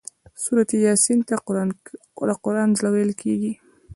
سورة یس ته د قران زړه ويل کيږي